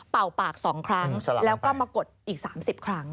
ปาก๒ครั้งแล้วก็มากดอีก๓๐ครั้ง